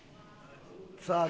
さあ。